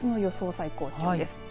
最高気温です。